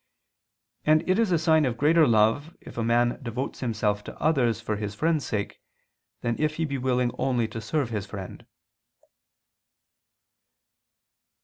And it is a sign of greater love if a man devotes himself to others for his friend's sake, than if he be willing only to serve his friend.